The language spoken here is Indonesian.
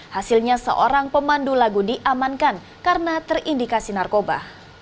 hasilnya seorang pemandu lagu diamankan karena terindikasi narkoba